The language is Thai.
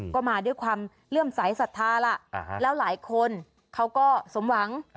ก็มาด้วยความเลื่อมสายศรัทธาล่ะแล้วหลายคนเขาก็สมหวัง